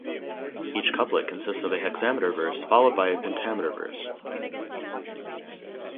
Each couplet consists of a hexameter verse followed by a pentameter verse.